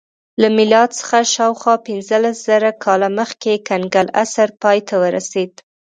له میلاد څخه شاوخوا پنځلس زره کاله مخکې کنګل عصر پای ته ورسېد